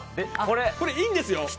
これ、いいんですよ。